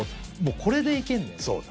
これでいけるんだよね。